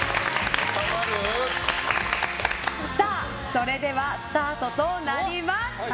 それではスタートとなります。